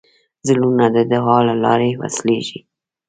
زړونه د دعا له لارې وصلېږي.